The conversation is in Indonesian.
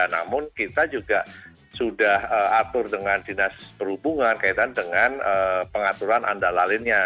namun kita juga sudah atur dengan dinas perhubungan kaitan dengan pengaturan andalalinnya